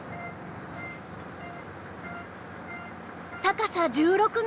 高さ１６ｍ。